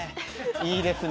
いいですね！